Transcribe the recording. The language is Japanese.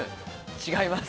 違います。